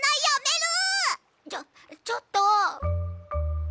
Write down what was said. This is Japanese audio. ちょちょっと！